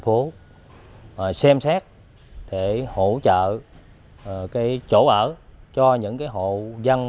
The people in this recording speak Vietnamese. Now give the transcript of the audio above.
đặc biệt là ở quỹ ban văn thành phố xem xét để hỗ trợ cái chỗ ở cho những cái hộ dân